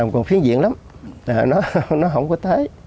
còn khuyến diện lắm nó không có tới